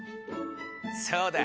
そうだ！